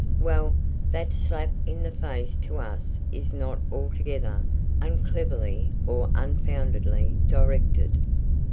Well, that slap in the face to us is not altogether uncleverly or unfoundedly directed.